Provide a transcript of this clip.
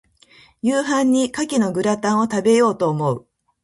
夕飯に牡蠣のグラタンを、食べようと思う。